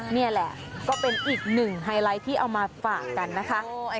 นี่แหละก็เป็นอีกหนึ่งไฮไลท์ที่เอามาฝากกันนะคะ